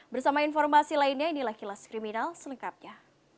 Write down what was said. bersama informasi lainnya inilah kilas kriminal selengkapnya